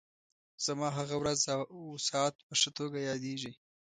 زما هغه ورځ او ساعت په ښه توګه یادېږي.